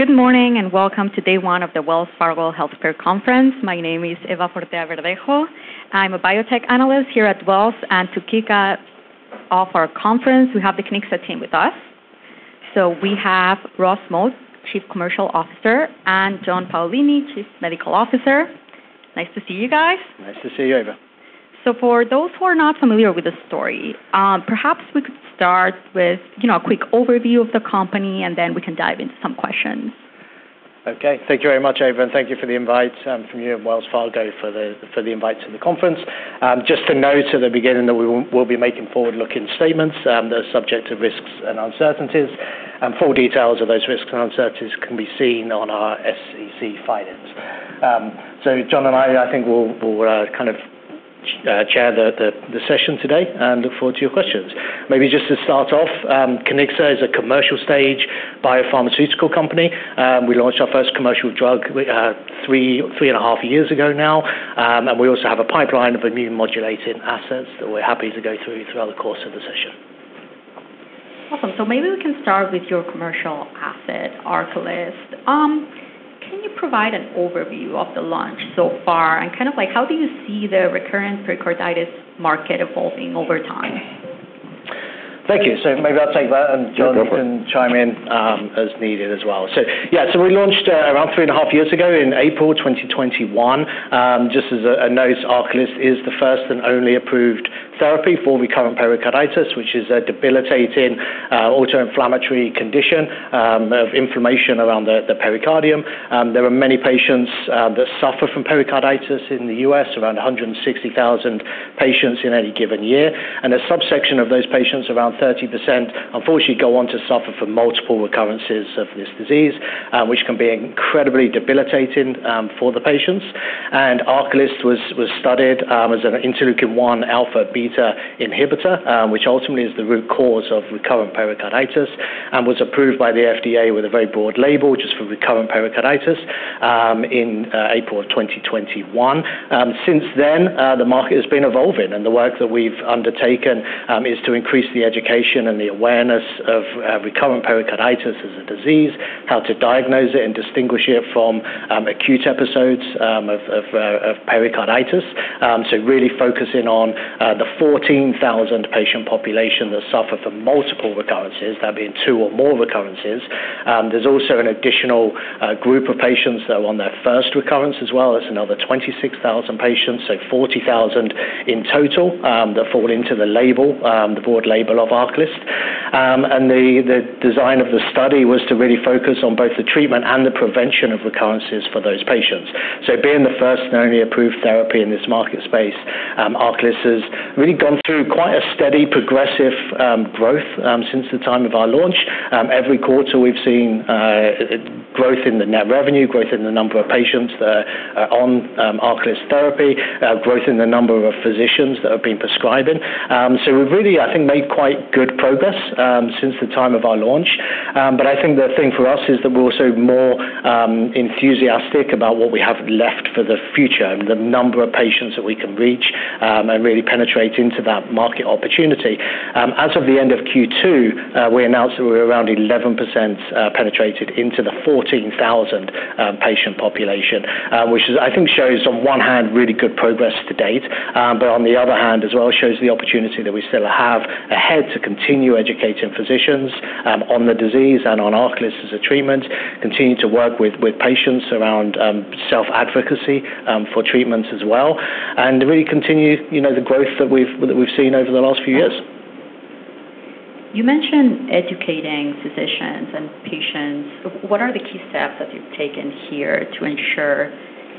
Good morning, and welcome to day one of the Wells Fargo Healthcare Conference. My name is Eva Fortea-Verdejo. I'm a biotech analyst here at Wells, and to kick off our conference, we have the Kiniksa team with us. So we have Ross Moat, Chief Commercial Officer, and John Paolini, Chief Medical Officer. Nice to see you guys. Nice to see you, Eva. So for those who are not familiar with the story, perhaps we could start with, you know, a quick overview of the company, and then we can dive into some questions. Okay. Thank you very much, Eva, and thank you for the invite from you and Wells Fargo for the invite to the conference. Just to note at the beginning that we'll be making forward-looking statements that are subject to risks and uncertainties, and full details of those risks and uncertainties can be seen on our SEC filings. So John and I, I think, will kind of chair the session today and look forward to your questions. Maybe just to start off, Kiniksa is a commercial stage biopharmaceutical company. We launched our first commercial drug three and a half years ago now. And we also have a pipeline of immune-modulating assets that we're happy to go through throughout the course of the session. Awesome. So maybe we can start with your commercial asset, ARCALYST. Can you provide an overview of the launch so far, and kind of like, how do you see the recurrent pericarditis market evolving over time? Thank you. So maybe I'll take that, and John- Sure, go for it. Can chime in as needed as well. So yeah, so we launched around three and a half years ago, in April 2021. Just as a note, ARCALYST is the first and only approved therapy for recurrent pericarditis, which is a debilitating autoinflammatory condition of inflammation around the pericardium. There are many patients that suffer from pericarditis in the U.S., around a hundred and sixty thousand patients in any given year. And a subsection of those patients, around 30%, unfortunately, go on to suffer from multiple recurrences of this disease, which can be incredibly debilitating for the patients. And ARCALYST was studied as an interleukin-1 alpha beta inhibitor, which ultimately is the root cause of recurrent pericarditis, and was approved by the FDA with a very broad label, which is for recurrent pericarditis, in April of 2021. Since then, the market has been evolving, and the work that we've undertaken is to increase the education and the awareness of recurrent pericarditis as a disease, how to diagnose it, and distinguish it from acute episodes of pericarditis. So really focusing on the 14,000 patient population that suffer from multiple recurrences, that being two or more recurrences. There's also an additional group of patients that are on their first recurrence as well. That's another 26,000 patients, so 40,000 in total, that fall into the label, the broad label of ARCALYST, and the design of the study was to really focus on both the treatment and the prevention of recurrences for those patients. So being the first and only approved therapy in this market space, ARCALYST has really gone through quite a steady progressive growth since the time of our launch. Every quarter, we've seen growth in the net revenue, growth in the number of patients that are on ARCALYST therapy, growth in the number of physicians that have been prescribing, so we've really, I think, made quite good progress since the time of our launch. But I think the thing for us is that we're also more enthusiastic about what we have left for the future and the number of patients that we can reach and really penetrate into that market opportunity. As of the end of Q2, we announced that we were around 11% penetrated into the 14,000-patient population, which is... I think shows, on one hand, really good progress to date, but on the other hand, as well, shows the opportunity that we still have ahead to continue educating physicians on the disease and on ARCALYST as a treatment. Continue to work with patients around self-advocacy for treatments as well, and really continue, you know, the growth that we've seen over the last few years. You mentioned educating physicians and patients. What are the key steps that you've taken here to ensure,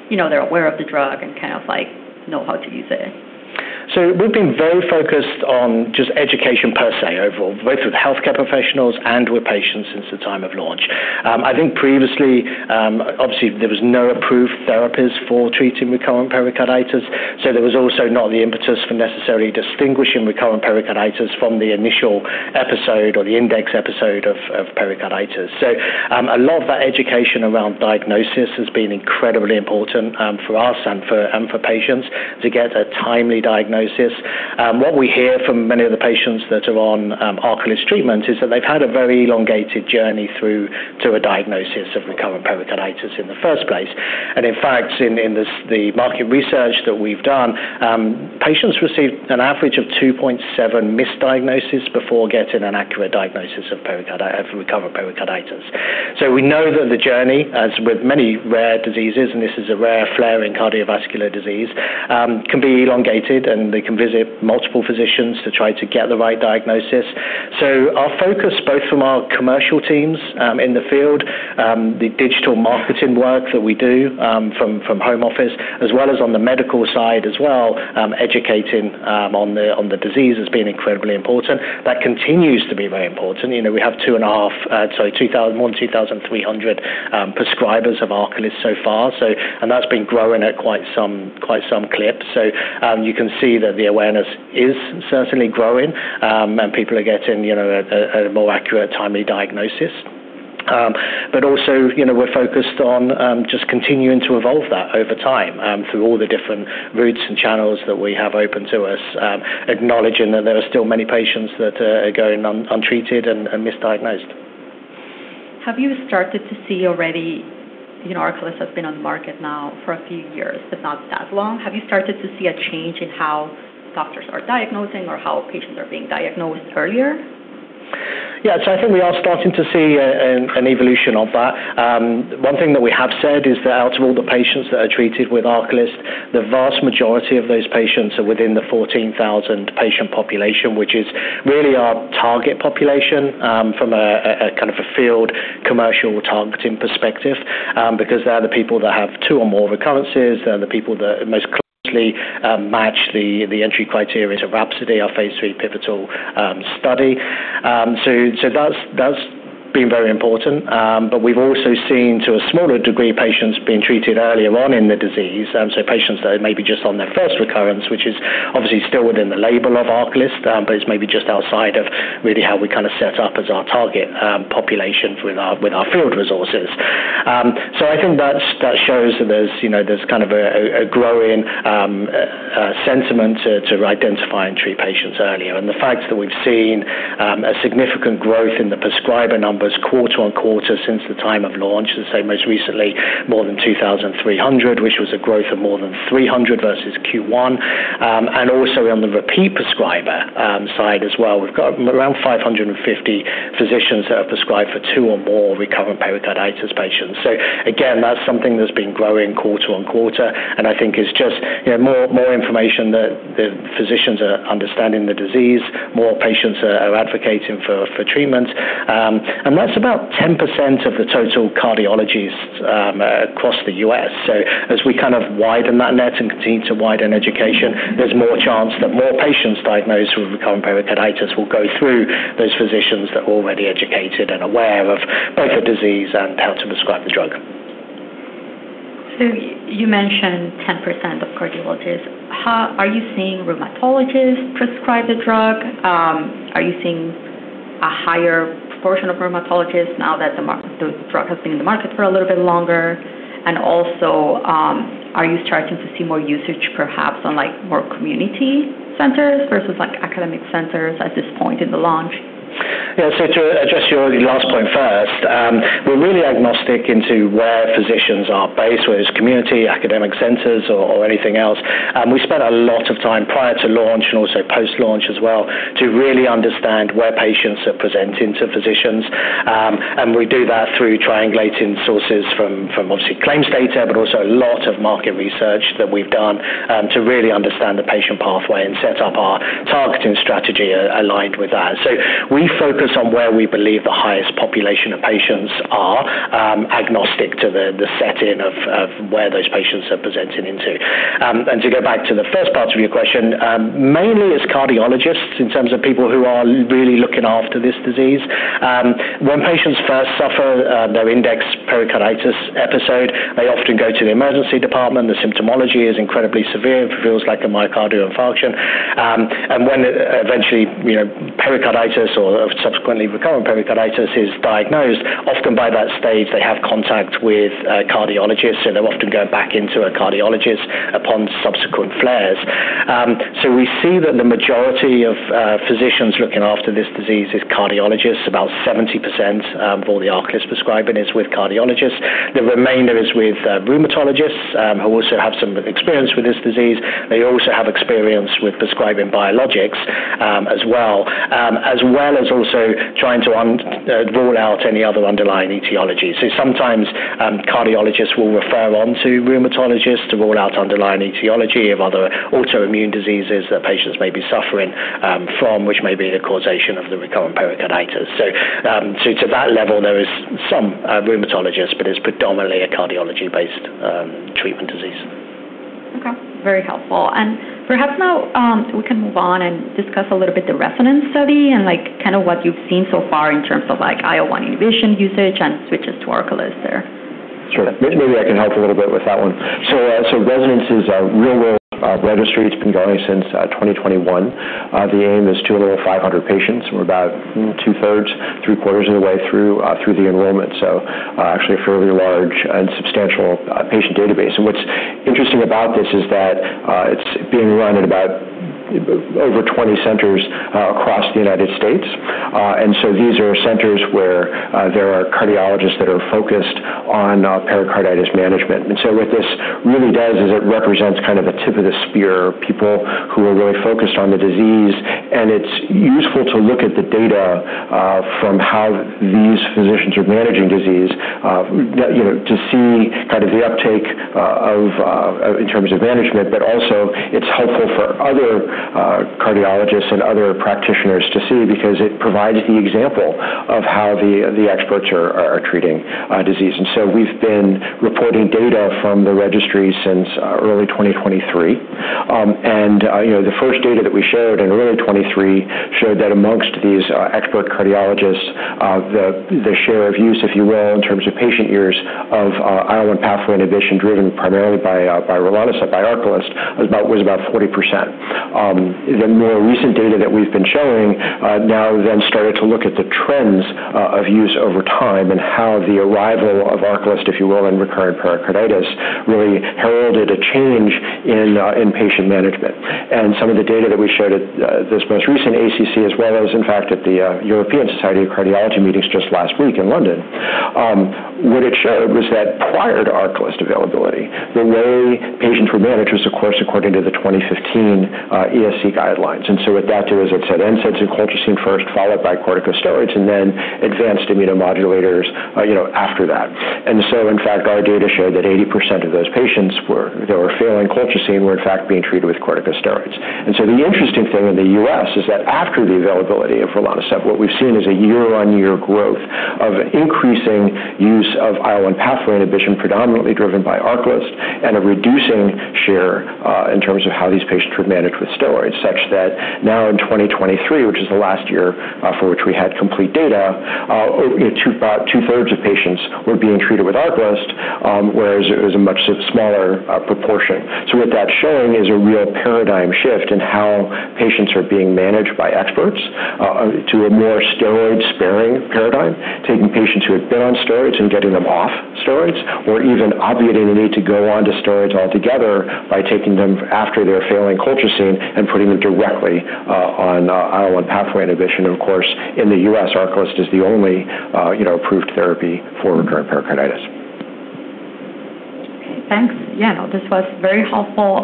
you know, they're aware of the drug and kind of, like, know how to use it? So we've been very focused on just education per se overall, both with healthcare professionals and with patients since the time of launch. I think previously, obviously there was no approved therapies for treating recurrent pericarditis, so there was also not the impetus for necessarily distinguishing recurrent pericarditis from the initial episode or the index episode of pericarditis. So, a lot of that education around diagnosis has been incredibly important, for us and for patients to get a timely diagnosis. What we hear from many of the patients that are on ARCALYST treatment is that they've had a very elongated journey through to a diagnosis of recurrent pericarditis in the first place. And in fact, the market research that we've done, patients received an average of two point seven misdiagnoses before getting an accurate diagnosis of pericarditis, of recurrent pericarditis. So we know that the journey, as with many rare diseases, and this is a rare flaring cardiovascular disease, can be elongated, and they can visit multiple physicians to try to get the right diagnosis. So our focus, both from our commercial teams, in the field, the digital marketing work that we do, from home office, as well as on the medical side as well, educating on the disease has been incredibly important. That continues to be very important. You know, we have two and a half, so 2,000... more than 2,300 prescribers of ARCALYST so far, so, and that's been growing at quite some clip. So, you can see that the awareness is certainly growing, and people are getting, you know, a more accurate, timely diagnosis. But also, you know, we're focused on just continuing to evolve that over time through all the different routes and channels that we have open to us, acknowledging that there are still many patients that are going untreated and misdiagnosed. Have you started to see already, you know, ARCALYST has been on the market now for a few years, but not that long. Have you started to see a change in how doctors are diagnosing or how patients are being diagnosed earlier? Yeah. So I think we are starting to see an evolution of that. One thing that we have said is that out of all the patients that are treated with ARCALYST, the vast majority of those patients are within the 14,000 patient population, which is really our target population, from a kind of a field commercial targeting perspective. Because they are the people that have two or more recurrences, they're the people that most closely match the entry criteria to RHAPSODY, our phase three pivotal study. So that's been very important. But we've also seen, to a smaller degree, patients being treated earlier on in the disease. So patients that are maybe just on their first recurrence, which is obviously still within the label of ARCALYST, but it's maybe just outside of really how we kind of set up as our target population with our, with our field resources. So I think that's, that shows that there's, you know, there's kind of a growing sentiment to identify and treat patients earlier. And the fact that we've seen a significant growth in the prescriber numbers quarter on quarter since the time of launch, as I say, most recently, more than 2,300, which was a growth of more than 300 versus Q1. And also on the repeat prescriber side as well, we've got around 550 physicians that have prescribed for two or more recurrent pericarditis patients. So again, that's something that's been growing quarter on quarter, and I think it's just, you know, more information that the physicians are understanding the disease, more patients are advocating for treatment. And that's about 10% of the total cardiologists across the U.S. So as we kind of widen that net and continue to widen education, there's more chance that more patients diagnosed with recurrent pericarditis will go through those physicians that are already educated and aware of both the disease and how to prescribe the drug. You mentioned 10% of cardiologists. Are you seeing rheumatologists prescribe the drug? Are you seeing a higher proportion of rheumatologists now that the drug has been in the market for a little bit longer? And also, are you starting to see more usage, perhaps on, like, more community centers versus, like, academic centers at this point in the launch? Yeah. So to address your last point first, we're really agnostic into where physicians are based, whether it's community, academic centers or anything else. We spent a lot of time prior to launch and also post-launch as well, to really understand where patients are presenting to physicians. And we do that through triangulating sources from obviously claims data, but also a lot of market research that we've done, to really understand the patient pathway and set up our targeting strategy aligned with that. So we focus on where we believe the highest population of patients are, agnostic to the setting of where those patients are presenting into. And to go back to the first part of your question, mainly it's cardiologists in terms of people who are really looking after this disease. When patients first suffer their index pericarditis episode, they often go to the emergency department. The symptomatology is incredibly severe; it feels like a myocardial infarction, and when eventually, you know, pericarditis or subsequently recurrent pericarditis is diagnosed, often by that stage, they have contact with cardiologists, and they'll often go back to a cardiologist upon subsequent flares, so we see that the majority of physicians looking after this disease is cardiologists. About 70% of all the ARCALYST prescribing is with cardiologists. The remainder is with rheumatologists, who also have some experience with this disease. They also have experience with prescribing biologics, as well, as well as also trying to rule out any other underlying etiology. So sometimes, cardiologists will refer on to rheumatologists to rule out underlying etiology of other autoimmune diseases that patients may be suffering from, which may be the causation of the recurrent pericarditis. So to that level, there is some rheumatologists, but it's predominantly a cardiology-based treatment disease. Okay. Very helpful, and perhaps now, we can move on and discuss a little bit the RESONANCE study and, like, kind of what you've seen so far in terms of, like, IL-1 inhibition usage and switches to ARCALYST there. Sure. Maybe I can help a little bit with that one. So RESONANCE is a real-world registry. It's been going since 2021. The aim is to enroll 500 patients. We're about two-thirds, three-quarters of the way through the enrollment, so actually a fairly large and substantial patient database. And what's interesting about this is that it's being run in about over 20 centers across the United States. And so these are centers where there are cardiologists that are focused on pericarditis management. And so what this really does is it represents kind of a tip of the spear, people who are really focused on the disease. It's useful to look at the data from how these physicians are managing disease, you know, to see kind of the uptake of in terms of management. It's also helpful for other cardiologists and other practitioners to see, because it provides the example of how the experts are treating disease. We've been reporting data from the registry since early 2023. You know, the first data that we showed in early 2023 showed that amongst these expert cardiologists, the share of use, if you will, in terms of patient years of IL-1 pathway inhibition, driven primarily by rilonacept by ARCALYST, was about 40%. The more recent data that we've been showing now then started to look at the trends of use over time and how the arrival of ARCALYST, if you will, in recurrent pericarditis, really heralded a change in patient management, and some of the data that we showed at this most recent ACC as well as, in fact, at the European Society of Cardiology meetings just last week in London. What it showed was that prior to ARCALYST availability, the way patients were managed was, of course, according to the 2015 ESC guidelines, and so what that did is it said NSAIDs and colchicine first, followed by corticosteroids, and then advanced immunomodulators, you know, after that. In fact, our data showed that 80% of those patients that were failing colchicine were in fact being treated with corticosteroids. The interesting thing in the U.S. is that after the availability of rilonacept, what we've seen is a year-on-year growth of increasing use of IL-1 pathway inhibition, predominantly driven by ARCALYST, and a reducing share in terms of how these patients were managed with steroids. Such that now in 2023, which is the last year for which we had complete data, about two-thirds of patients were being treated with ARCALYST, whereas it was a much smaller proportion. What that's showing is a real paradigm shift in how patients are being managed by experts to a more steroid-sparing paradigm. Taking patients who have been on steroids and getting them off steroids, or even obviating the need to go onto steroids altogether by taking them after they're failing colchicine and putting them directly on IL-1 pathway inhibition. And of course, in the U.S., ARCALYST is the only, you know, approved therapy for recurrent pericarditis. Okay, thanks. Yeah, no, this was very helpful.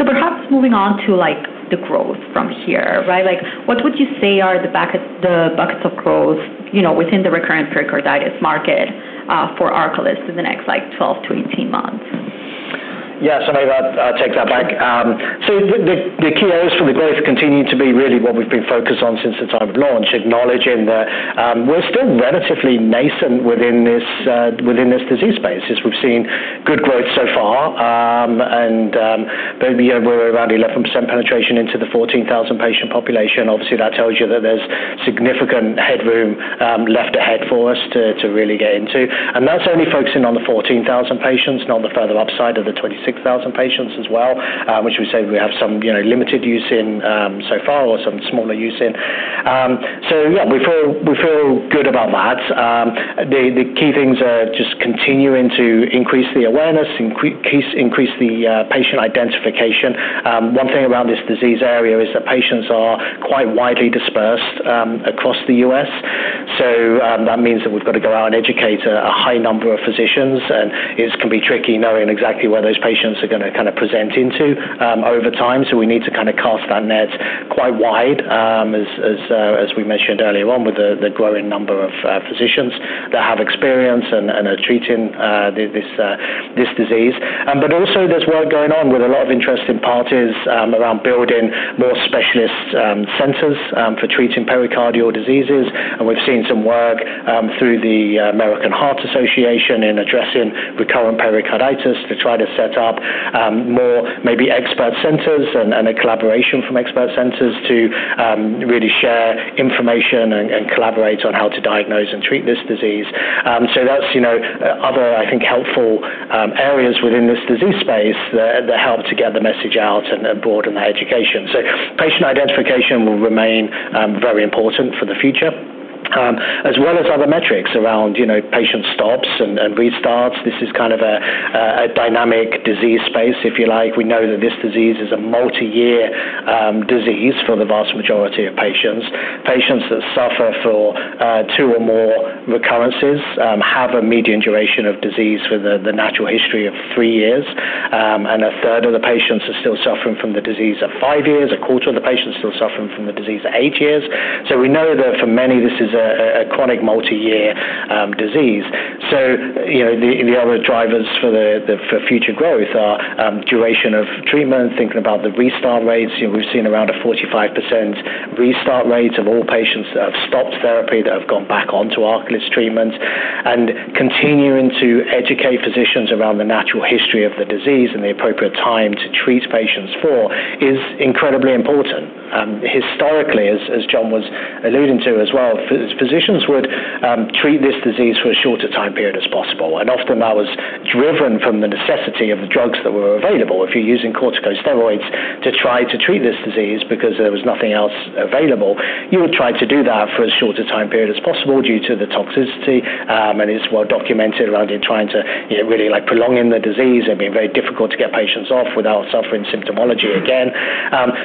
So perhaps moving on to, like, the growth from here, right? Like, what would you say are the bucket, the buckets of growth, you know, within the recurrent pericarditis market, for ARCALYST in the next, like, twelve to eighteen months? Yeah, so maybe I'll take that back. So the key areas for the growth continue to be really what we've been focused on since the time of launch. Acknowledging that, we're still relatively nascent within this disease space, as we've seen good growth so far. But yeah, we're around 11% penetration into the 14,000 patient population. Obviously, that tells you that there's significant headroom left ahead for us to really get into. And that's only focusing on the 14,000 patients, not the further upside of the 26,000 patients as well, which we say we have some, you know, limited use in so far or some smaller use in. So yeah, we feel good about that. The key things are just continuing to increase the awareness, increase the patient identification. One thing around this disease area is that patients are quite widely dispersed across the US. So, that means that we've got to go out and educate a high number of physicians, and it can be tricky knowing exactly where those patients are gonna kind of present into over time. So we need to kind of cast that net quite wide, as we mentioned earlier on, with the growing number of physicians that have experience and are treating this disease, but also there's work going on with a lot of interested parties around building more specialist centers for treating pericardial diseases. And we've seen some work through the American Heart Association in addressing recurrent pericarditis to try to set up more maybe expert centers and a collaboration from expert centers to really share information and collaborate on how to diagnose and treat this disease. So that's, you know, other, I think, helpful areas within this disease space that help to get the message out and broaden the education. So patient identification will remain very important for the future as well as other metrics around, you know, patient stops and restarts. This is kind of a dynamic disease space, if you like. We know that this disease is a multi-year disease for the vast majority of patients. Patients that suffer for two or more recurrences have a median duration of disease with the natural history of three years. And a third of the patients are still suffering from the disease at five years. A quarter of the patients are still suffering from the disease at eight years. So we know that for many this is a chronic multi-year disease. So, you know, the other drivers for future growth are duration of treatment, thinking about the restart rates. You know, we've seen around a 45% restart rate of all patients that have stopped therapy, that have gone back onto ARCALYST treatments. And continuing to educate physicians around the natural history of the disease and the appropriate time to treat patients for is incredibly important. Historically, as John was alluding to as well, physicians would treat this disease for as short a time period as possible, and often that was driven from the necessity of the drugs that were available. If you're using corticosteroids to try to treat this disease because there was nothing else available, you would try to do that for as short a time period as possible due to the toxicity, and it's well documented around you trying to, you know, really like prolonging the disease and being very difficult to get patients off without suffering symptomology again,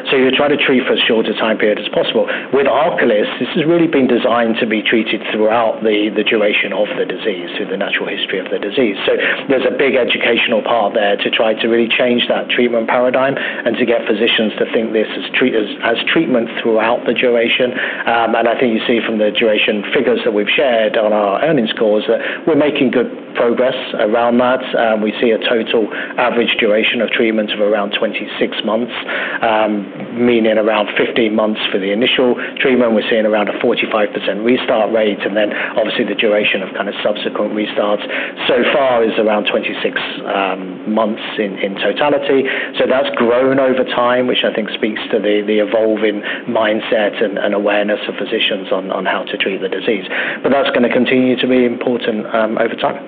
so you try to treat for as short a time period as possible. With ARCALYST, this has really been designed to be treated throughout the duration of the disease, through the natural history of the disease. So there's a big educational part there to try to really change that treatment paradigm and to get physicians to think this as treatment throughout the duration. And I think you see from the duration figures that we've shared on our earnings calls, that we're making good progress around that. We see a total average duration of treatments of around 26 months, meaning around 15 months for the initial treatment. We're seeing around a 45% restart rate, and then obviously the duration of kind of subsequent restarts so far is around 26 months in totality. So that's grown over time, which I think speaks to the evolving mindset and awareness of physicians on how to treat the disease. But that's gonna continue to be important over time.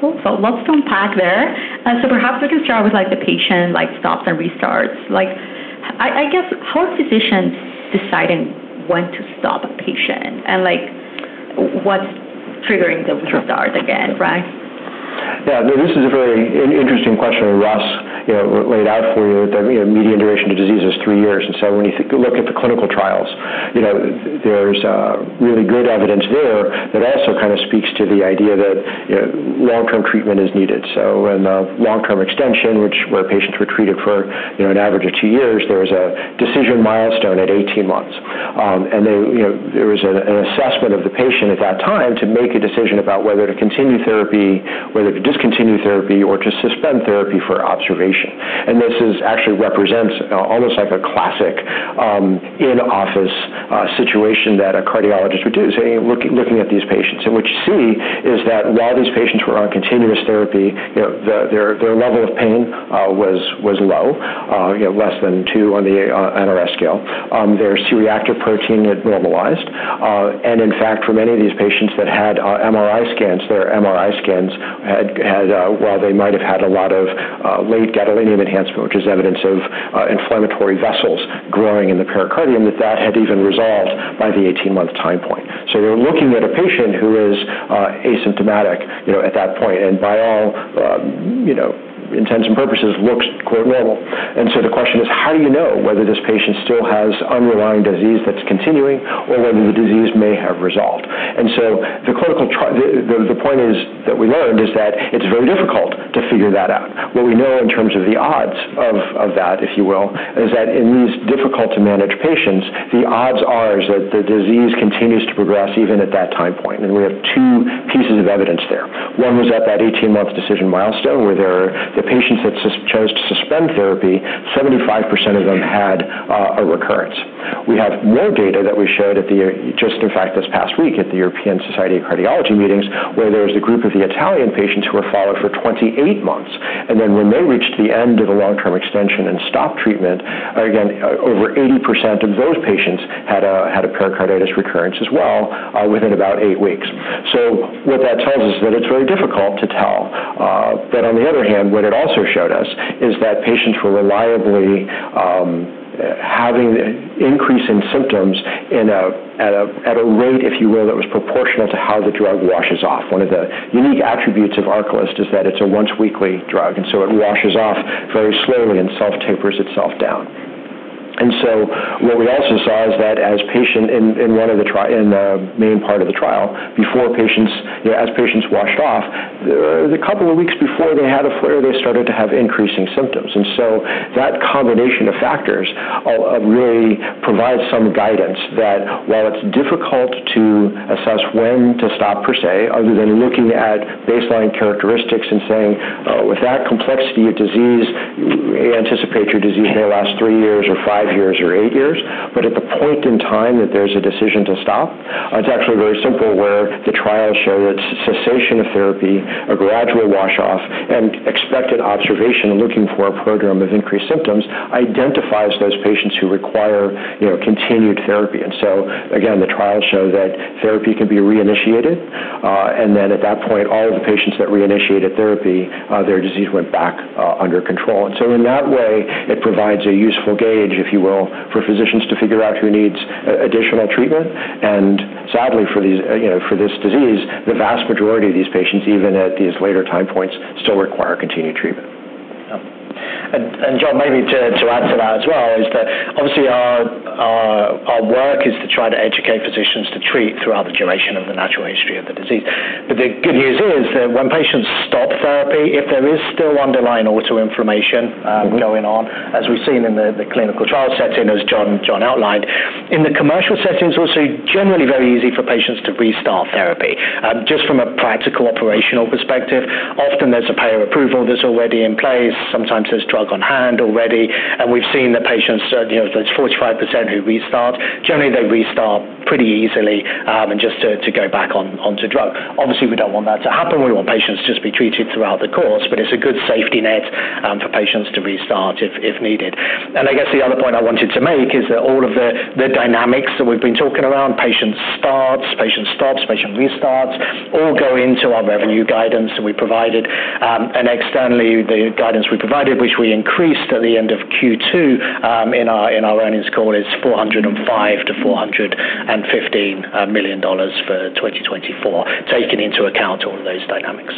Cool. So let's unpack there. So perhaps we can start with, like, the patient, like, stops and restarts. Like, I guess, how are physicians deciding when to stop a patient, and like, what's triggering the restart again, right? Yeah, this is a very interesting question, and Ross, you know, laid out for you that, you know, median duration of disease is three years. And so when you look at the clinical trials, you know, there's really good evidence there that also kind of speaks to the idea that, you know, long-term treatment is needed. So in the long-term extension, where patients were treated for, you know, an average of two years, there was a decision milestone at eighteen months. And there, you know, there was an assessment of the patient at that time to make a decision about whether to continue therapy, whether to discontinue therapy, or to suspend therapy for observation. And this is actually represents almost like a classic in-office situation that a cardiologist would do, say, looking at these patients. And what you see is that while these patients were on continuous therapy, you know, their level of pain was low, you know, less than two on the NRS scale. Their C-reactive protein had normalized. And in fact, for many of these patients that had MRI scans, their MRI scans had... While they might have had a lot of late gadolinium enhancement, which is evidence of inflammatory vessels growing in the pericardium, that had even resolved by the 18-month time point. So we're looking at a patient who is asymptomatic, you know, at that point, and by all, you know, intents and purposes, looks quite normal. And so the question is: How do you know whether this patient still has underlying disease that's continuing or whether the disease may have resolved? The point is that we learned is that it's very difficult to figure that out. What we know in terms of the odds of that, if you will, is that in these difficult to manage patients, the odds are that the disease continues to progress even at that time point, and we have two pieces of evidence there. One was at that 18-month decision milestone, where the patients that chose to suspend therapy, 75% of them had a recurrence. We have more data that we showed at the just in fact this past week at the European Society of Cardiology meetings, where there was a group of the Italian patients who were followed for 28 months, and then when they reached the end of the long-term extension and stopped treatment, again over 80% of those patients had a pericarditis recurrence as well within about eight weeks. So what that tells us is that it's very difficult to tell. But on the other hand, what it also showed us is that patients were reliably having an increase in symptoms at a rate, if you will, that was proportionate to how the drug washes off. One of the unique attributes of ARCALYST is that it's a once-weekly drug, and so it washes off very slowly and self-tapers itself down. And so what we also saw is that as patients in the main part of the trial, before patients, you know, as patients washed off, the couple of weeks before they had a flare, they started to have increasing symptoms. And so that combination of factors really provides some guidance that while it's difficult to assess when to stop, per se, other than looking at baseline characteristics and saying, "With that complexity of disease, we anticipate your disease may last three years, or five years, or eight years." But at the point in time that there's a decision to stop, it's actually very simple, where the trials show that cessation of therapy, a gradual wash off, and expected observation, looking for a prodrome of increased symptoms, identifies those patients who require, you know, continued therapy. And so, again, the trials show that therapy can be reinitiated, and then at that point, all of the patients that reinitiated therapy, their disease went back under control. And so in that way, it provides a useful gauge, if you will, for physicians to figure out who needs additional treatment. And sadly, for these, you know, for this disease, the vast majority of these patients, even at these later time points, still require continued treatment. Yeah. And John, maybe to add to that as well, is that obviously our work is to try to educate physicians to treat throughout the duration of the natural history of the disease. But the good news is that when patients stop therapy, if there is still underlying autoinflammation. Mm-hmm... going on, as we've seen in the clinical trial setting, as John outlined, in the commercial setting, it's also generally very easy for patients to restart therapy. Just from a practical, operational perspective, often there's a payer approval that's already in place, sometimes there's drug on hand already, and we've seen that patients, you know, there's 45% who restart. Generally, they restart pretty easily, and just to go back on, onto drug. Obviously, we don't want that to happen. We want patients to just be treated throughout the course, but it's a good safety net for patients to restart if needed, and I guess the other point I wanted to make is that all of the dynamics that we've been talking around, patient starts, patient stops, patient restarts, all go into our revenue guidance that we provided. And externally, the guidance we provided, which we increased at the end of Q2, in our earnings call, is $405-$415 million for 2024, taking into account all of those dynamics.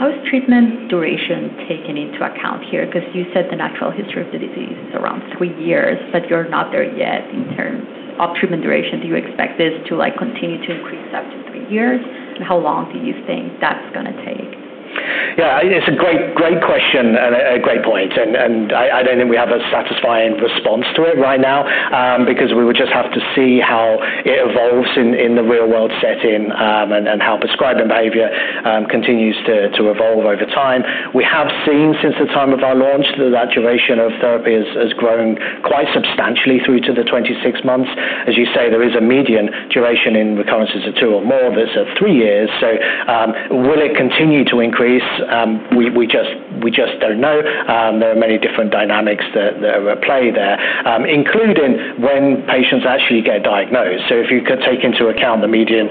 How is treatment duration taken into account here? Because you said the natural history of the disease is around three years, but you're not there yet in terms of treatment duration. Do you expect this to, like, continue to increase up to three years? And how long do you think that's gonna take? Yeah, it's a great, great question and a great point, and I don't think we have a satisfying response to it right now, because we would just have to see how it evolves in the real-world setting, and how prescribing behavior continues to evolve over time. We have seen since the time of our launch, that the duration of therapy has grown quite substantially through to the 26 months. As you say, there is a median duration in recurrences of two or more, but it's at three years. So, will it continue to increase? We just don't know. There are many different dynamics that are at play there.... when patients actually get diagnosed. So if you could take into account the median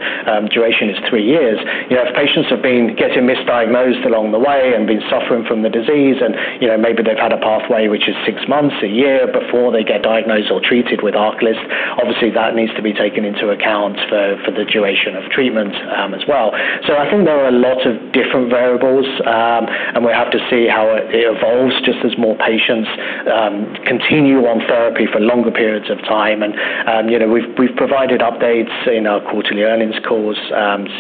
duration is three years, you know, if patients have been getting misdiagnosed along the way and been suffering from the disease, and, you know, maybe they've had a pathway which is six months, a year before they get diagnosed or treated with ARCALYST, obviously, that needs to be taken into account for the duration of treatment, as well. So I think there are a lot of different variables, and we have to see how it evolves just as more patients continue on therapy for longer periods of time. And, you know, we've provided updates in our quarterly earnings calls,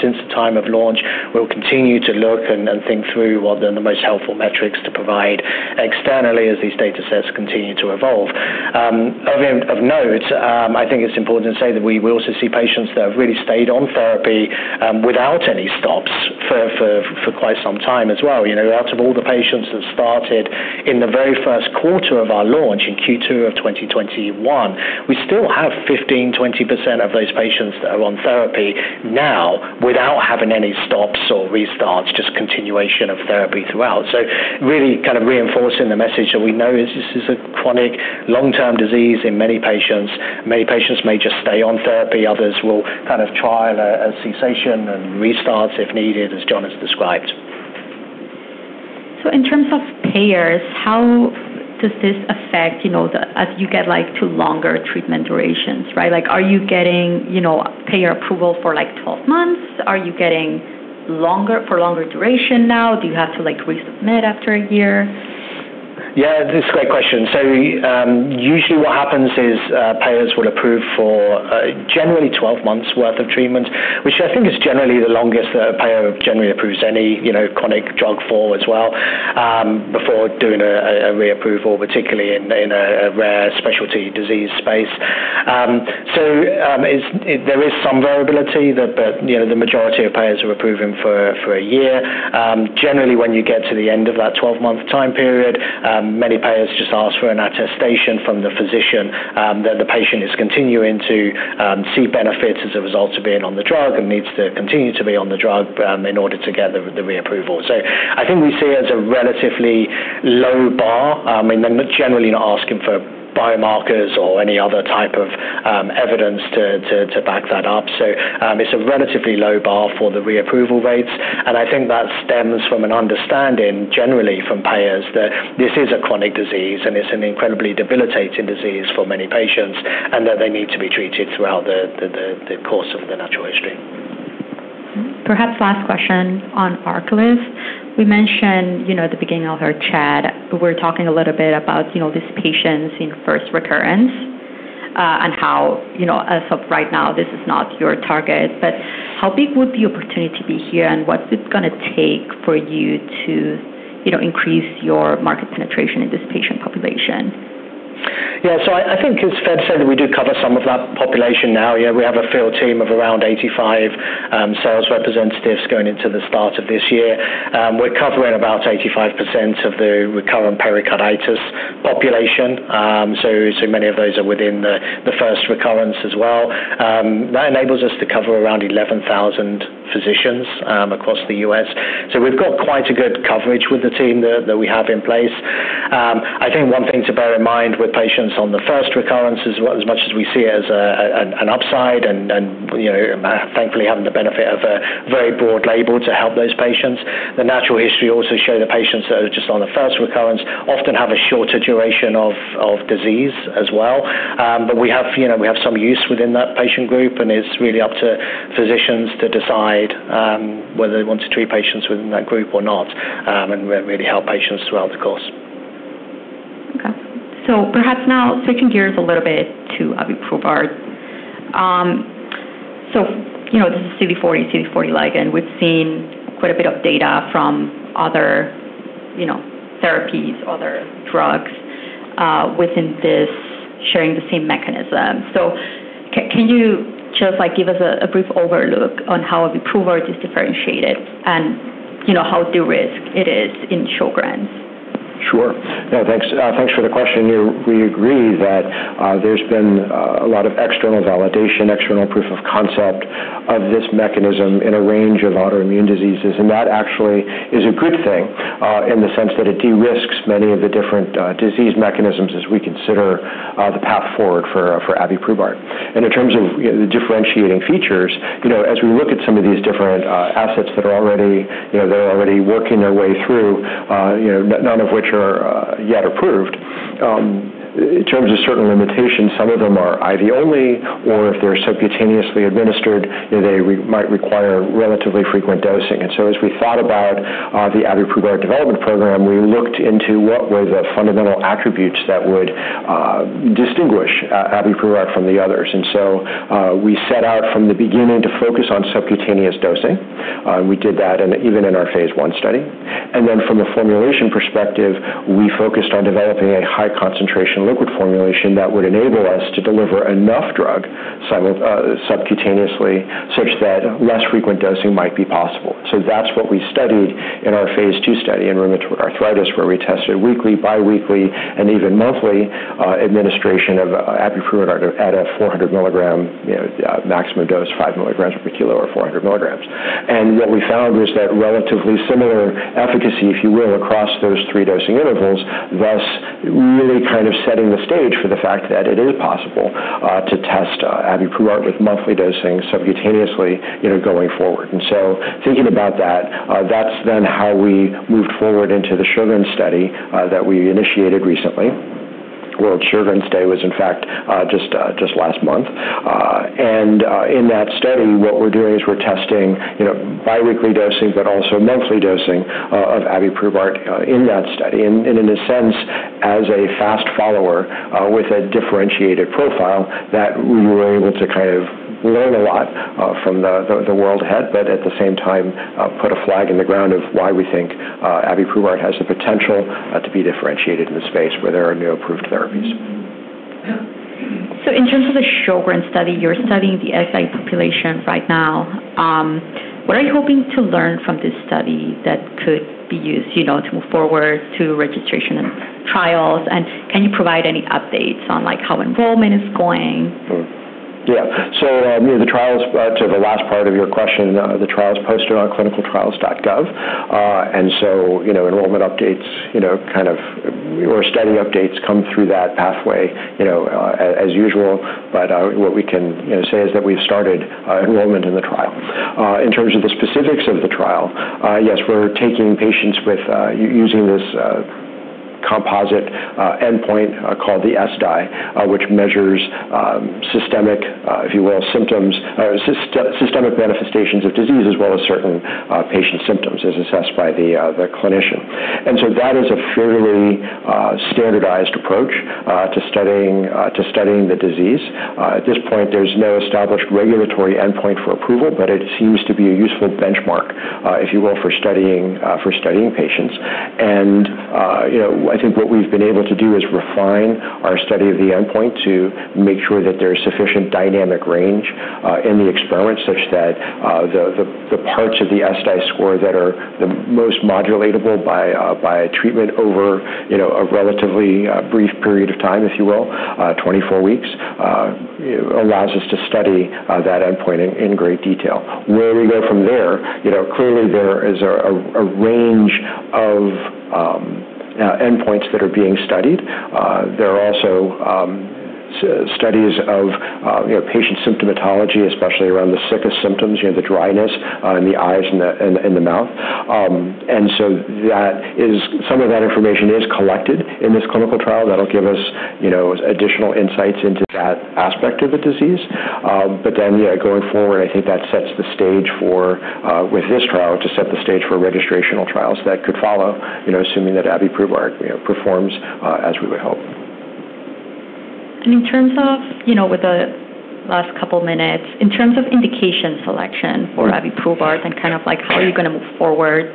since the time of launch. We'll continue to look and think through what are the most helpful metrics to provide externally as these datasets continue to evolve. Of note, I think it's important to say that we will also see patients that have really stayed on therapy without any stops for quite some time as well. You know, out of all the patients that started in the very first quarter of our launch in Q2 of 2021, we still have 15%-20% of those patients that are on therapy now, without having any stops or restarts, just continuation of therapy throughout. So really kind of reinforcing the message that we know this is a chronic, long-term disease in many patients. Many patients may just stay on therapy, others will kind of trial a cessation and restart if needed, as John has described. So in terms of payers, how does this affect, you know, as you get, like, to longer treatment durations, right? Like, are you getting, you know, payer approval for, like, 12 months? Are you getting for longer duration now? Do you have to, like, resubmit after a year? Yeah, this is a great question, so usually what happens is, payers will approve for generally 12 months worth of treatment, which I think is generally the longest that a payer generally approves any, you know, chronic drug for as well, before doing a reapproval, particularly in a rare specialty disease space, so there is some variability, but, you know, the majority of payers are approving for a year. Generally, when you get to the end of that 12-month time period, many payers just ask for an attestation from the physician, that the patient is continuing to see benefits as a result of being on the drug and needs to continue to be on the drug, in order to get the reapproval. So I think we see it as a relatively low bar. And they're generally not asking for biomarkers or any other type of evidence to back that up. So it's a relatively low bar for the reapproval rates, and I think that stems from an understanding, generally from payers, that this is a chronic disease and it's an incredibly debilitating disease for many patients, and that they need to be treated throughout the course of the natural history. Perhaps last question on ARCALYST. We mentioned, you know, at the beginning of our chat, we're talking a little bit about, you know, these patients in first recurrence, and how, you know, as of right now, this is not your target. But how big would the opportunity be here, and what's it gonna take for you to, you know, increase your market penetration in this patient population? Yeah, so I think as Eva said, we do cover some of that population now. Yeah, we have a field team of around 85 sales representatives going into the start of this year. We're covering about 85% of the recurrent pericarditis population. So many of those are within the first recurrence as well. That enables us to cover around 11,000 physicians across the U.S. So we've got quite a good coverage with the team that we have in place. I think one thing to bear in mind with patients on the first recurrence is, as much as we see as an upside, and you know, thankfully, having the benefit of a very broad label to help those patients, the natural history also show the patients that are just on the first recurrence often have a shorter duration of disease as well, but we have, you know, we have some use within that patient group, and it's really up to physicians to decide whether they want to treat patients within that group or not, and we really help patients throughout the course. Okay, so perhaps now switching gears a little bit to abiprubart. You know, this is CD40, CD40 ligand. We've seen quite a bit of data from other, you know, therapies, other drugs, within this sharing the same mechanism. So can you just, like, give us a brief overview on how abiprubart is differentiated and, you know, how de-risked it is in Sjögren's? Sure. Yeah, thanks, thanks for the question. We agree that there's been a lot of external validation, external proof of concept of this mechanism in a range of autoimmune diseases. And that actually is a good thing, in the sense that it de-risks many of the different, disease mechanisms as we consider, the path forward for abiprubart. And in terms of, you know, the differentiating features, you know, as we look at some of these different, assets that are already, you know, that are already working their way through, you know, none of which are, yet approved. In terms of certain limitations, some of them are IV only, or if they're subcutaneously administered, they might require relatively frequent dosing. And so as we thought about the abiprubart development program, we looked into what were the fundamental attributes that would distinguish abiprubart from the others. And so we set out from the beginning to focus on subcutaneous dosing. We did that even in our phase one study. And then from a formulation perspective, we focused on developing a high concentration liquid formulation that would enable us to deliver enough drug subcutaneously, such that less frequent dosing might be possible. So that's what we studied in our phase two study in rheumatoid arthritis, where we tested weekly, biweekly, and even monthly administration of abiprubart at a 400 milligram, you know, maximum dose, 5 milligrams per kilo or 400 milligrams. And what we found was that relatively similar efficacy, if you will, across those three dosing intervals, thus really kind of setting the stage for the fact that it is possible, to test, abiprubart with monthly dosing subcutaneously, you know, going forward. And so thinking about that, that's then how we moved forward into the Sjögren's study, that we initiated recently. World Sjögren's Day was, in fact, just last month. And in that study, what we're doing is we're testing, you know, biweekly dosing, but also monthly dosing of abiprubart in that study. In a sense, as a fast follower with a differentiated profile, that we were able to kind of learn a lot from the world ahead, but at the same time, put a flag in the ground of why we think abiprubart has the potential to be differentiated in the space where there are no approved therapies. So in terms of the Sjögren's study, you're studying the ESSDAI population right now. What are you hoping to learn from this study that could be used, you know, to move forward to registration and trials? And can you provide any updates on, like, how enrollment is going? Yeah. So, you know, the trials, back to the last part of your question, the trial is posted on ClinicalTrials.gov. And so, you know, enrollment updates, you know, kind of, or study updates come through that pathway, you know, as usual. But, what we can, you know, say is that we've started enrollment in the trial. In terms of the specifics of the trial, yes, we're taking patients with, using this composite endpoint called the ESSDAI, which measures systemic, if you will, systemic manifestations of disease as well as certain patient symptoms, as assessed by the clinician. And so that is a fairly standardized approach to studying the disease. At this point, there's no established regulatory endpoint for approval, but it seems to be a useful benchmark, if you will, for studying patients. You know, I think what we've been able to do is refine our study of the endpoint to make sure that there's sufficient dynamic range in the experiment, such that the parts of the ESSDAI score that are the most modulatable by a treatment over, you know, a relatively brief period of time, if you will, 24 weeks, allows us to study that endpoint in great detail. Where we go from there, you know, clearly there is a range of endpoints that are being studied. There are also studies of, you know, patient symptomatology, especially around the sicca symptoms, you know, the dryness in the eyes and the mouth. Some of that information is collected in this clinical trial. That'll give us, you know, additional insights into that aspect of the disease. Going forward, I think that sets the stage for registrational trials that could follow, you know, assuming that abiprubart, you know, performs as we would hope. In terms of, you know, with the last couple of minutes, in terms of indication selection for abiprubart and kind of like, how are you gonna move forward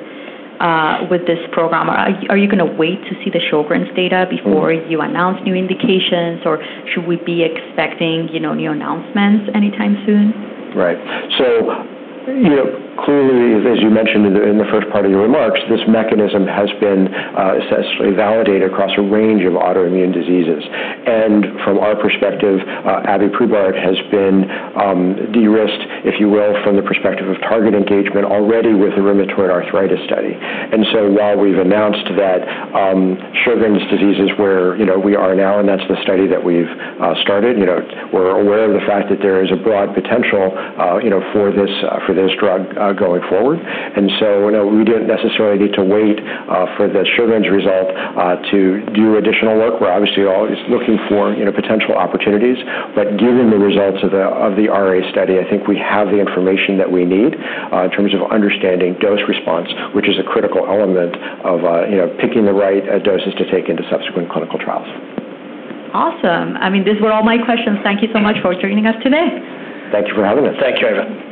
with this program? Are you gonna wait to see the Sjögren's data before you announce new indications, or should we be expecting, you know, new announcements anytime soon? Right. So, you know, clearly, as you mentioned in the first part of your remarks, this mechanism has been essentially validated across a range of autoimmune diseases. And from our perspective, abiprubart has been de-risked, if you will, from the perspective of target engagement already with the rheumatoid arthritis study. And so while we've announced that, Sjögren's disease is where, you know, we are now, and that's the study that we've started, you know, we're aware of the fact that there is a broad potential, you know, for this drug going forward. And so, you know, we don't necessarily need to wait for the Sjögren's result to do additional work. We're obviously always looking for, you know, potential opportunities. But given the results of the RA study, I think we have the information that we need, in terms of understanding dose response, which is a critical element of, you know, picking the right, doses to take into subsequent clinical trials. Awesome. I mean, these were all my questions. Thank you so much for joining us today. Thank you for having us. Thank you, Eva.